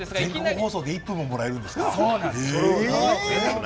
生放送で１分ももらえるんですか。